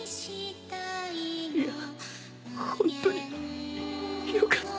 いやホントによかった。